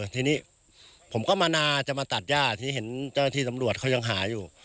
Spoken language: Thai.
ทีนี้ผมก็มานาจะมาตัดย่าที่เห็นเจ้าหน้าที่ตำรวจเขายังหาอยู่